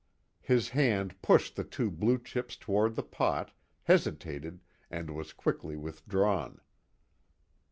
His hand pushed the two blue chips toward the pot, hesitated, and was quickly withdrawn.